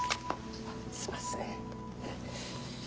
すみません。